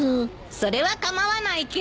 それは構わないけど。